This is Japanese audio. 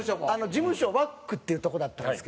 事務所ＷＡＣＫっていうとこだったんですけど。